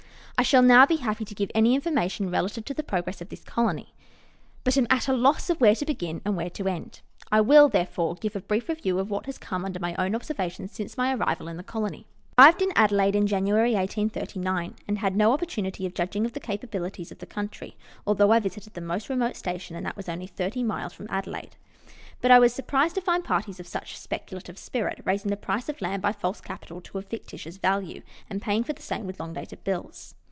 I shall be now happy to give any information relative to the progress of this colony, but am at a loss where to begin and where 234 Letters from Victorian Pioneers. to end. I will, therefore, give a brief review of what has come under my own observation since my arrival in the colony. I arrived in Adelaide in January 1839, and had no opportunity of judging of the capabilities of the country, although I visiled the most remote station, and that was only 30 miles from Adelaide; but I was surprised to find parties of such a speculative spirit, raising the price of land by false capital to a fictitious value, and paying for the same with long dated bills.